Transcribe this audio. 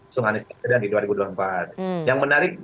sungani sekedar di dua ribu dua puluh empat